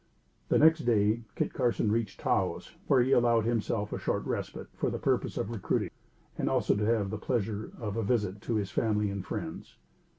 The next day Kit Carson reached Taos, where he allowed himself a short respite for the purpose of recruiting, and also to have the pleasure of a visit to his family and friends.